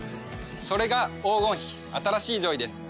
それが黄金比新しいジョイです。